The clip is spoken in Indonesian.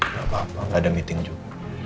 gak apa apa gak ada meeting juga